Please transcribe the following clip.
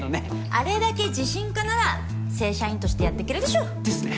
あれだけ自信家なら正社員としてやってけるでしょ。ですね。